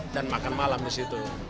dan makan malam di situ